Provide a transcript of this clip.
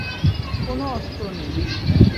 কোনো অস্ত্র নেই।